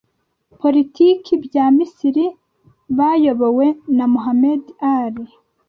politiki bya Misiri bayobowe na Mohammed Ali